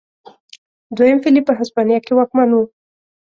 دویم فلیپ په هسپانیا کې واکمن و.